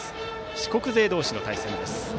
四国勢同士の対戦です。